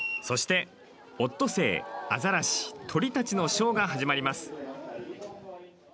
そして、オットセイ、アザラシ鳥たちのショーが始まります。